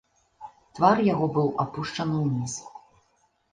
Твар яго быў апушчаны ўніз.